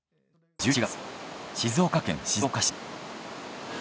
１１月静岡県静岡市。